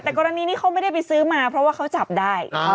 แต่กรณีนี้เขาไม่ได้ไปซื้อมาเพราะว่าเขาจับได้